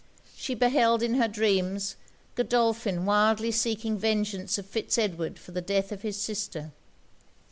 She beheld, in her dreams, Godolphin wildly seeking vengeance of Fitz Edward for the death of his sister.